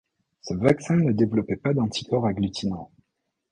Ce vaccin ne développait pas d’anticorps agglutinants.